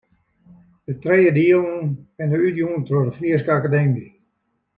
De trije dielen binne útjûn troch de Fryske Akademy.